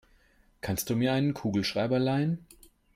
Kannst du mir einen Kugelschreiber leihen?